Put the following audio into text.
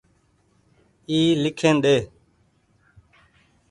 اي ليکين ۮي۔